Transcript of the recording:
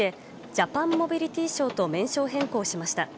「ジャパンモビリティショー」と名称変更しました。